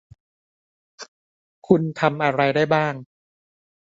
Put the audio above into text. คุณทำอะไรได้บ้าง ?